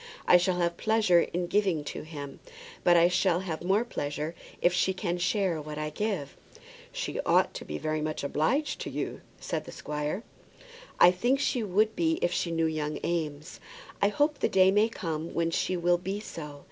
I shall have pleasure in giving to him; but I shall have more pleasure if she can share what I give." "She ought to be very much obliged to you," said the squire. "I think she would be if she knew young Eames. I hope the day may come when she will be so.